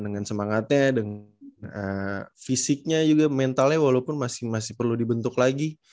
dengan semangatnya dengan fisiknya juga mentalnya walaupun masih perlu dibentuk lagi